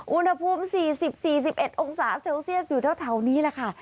อุณหภูมิ๔๐๔๑องศาเซลเซียสอยู่แถวนี้แหละค่ะ